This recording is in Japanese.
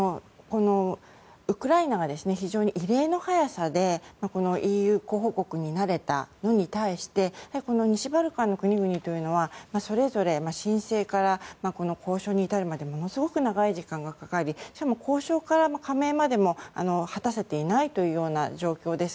ウクライナが非常に異例の速さでＥＵ候補国になれたのに対して西バルカンの国々というのはそれぞれ申請から交渉に至るまでものすごく長い時間がかかりしかも交渉から加盟までも果たせていないという状況です。